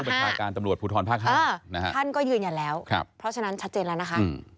บัญชาการตำรวจภูทรภาค๕ท่านก็ยืนยันแล้วเพราะฉะนั้นชัดเจนแล้วนะคะ